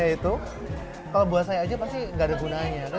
itu kalau buat saya aja pasti gak ada gunanya